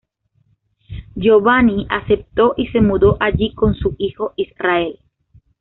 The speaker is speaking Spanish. Giovanni aceptó y se mudó allí con su hijo Israel.